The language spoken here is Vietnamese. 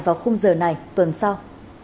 vào khung giờ này tuần sau